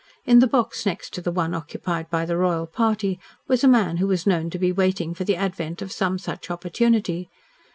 In the box next to the one occupied by the royal party was a man who was known to be waiting for the advent of some such opportunity.